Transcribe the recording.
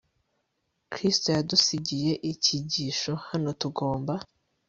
Kristo yadusigiye icyigisho hano tugomba